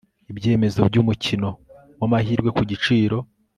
ibyemezo by umukino w amahirwe ku giciro